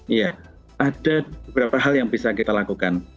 iya ada beberapa hal yang bisa kita lakukan